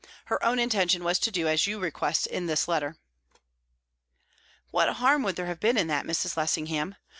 Her own intention was to do as you request in this letter." "What harm would there have been in that, Mrs. Lessingham?